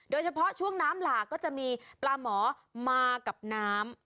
โดยเฉพาะช่วงน้ำหลากก็จะมีปลาหมอมากับน้ำ